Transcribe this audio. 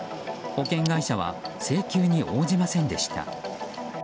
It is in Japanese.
保険会社は請求に応じませんでした。